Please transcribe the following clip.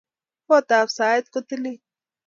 Kot ab saet ko tilil